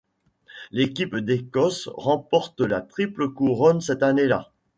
L'équipe d'Écosse remporte la triple couronne cette année-là.